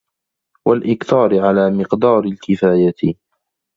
وَالْإِكْثَارِ عَلَى مِقْدَارِ الْكِفَايَةِ